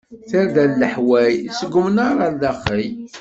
Tarda n leḥwal, seg umnaṛ ar daxel.